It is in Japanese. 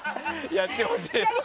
やってほしい。